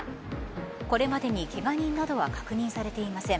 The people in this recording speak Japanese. これまでにケガ人などは確認されていません。